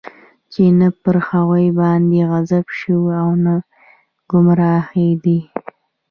چې نه پر هغوى باندې غضب شوى او نه ګمراهان دی.